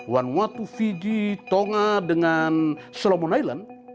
wanwatu fiji tonga dengan solomon island